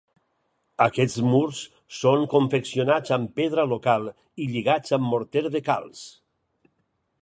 Aquests murs són confeccionats amb pedra local i lligats amb morter de calç.